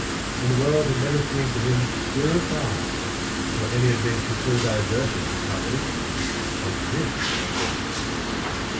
And the world had never seemed to him so fine, nor any adventure so diverting and uplifting as this adventure.